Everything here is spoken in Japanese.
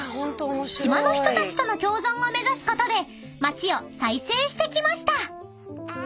［島の人たちとの共存を目指すことで街を再生してきました］